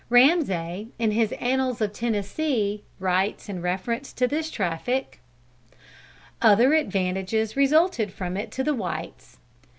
Ramsay, in his Annals of Tennessee, writes, in reference to this traffic: "Other advantages resulted from it to the whites.